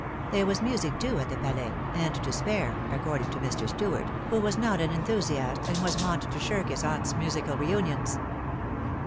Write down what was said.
There was music, too, at the Palais, and to spare, according to Mr. Stuart, who was not an enthusiast, and was wont to shirk his aunt's musical reunions.